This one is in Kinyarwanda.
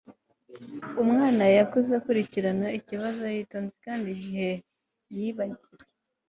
umwana, yakuze akurikirana ikibazo yitonze, kandi igihe yibagiwe